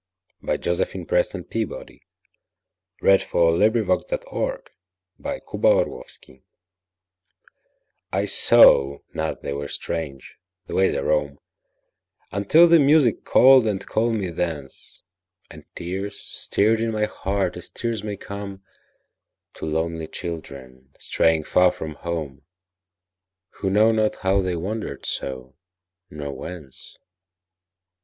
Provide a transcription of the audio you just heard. By Josephine PrestonPeabody 1671 After Music I SAW not they were strange, the ways I roam, Until the music called, and called me thence, And tears stirred in my heart as tears may comeTo lonely children straying far from home, Who know not how they wandered so, nor whence.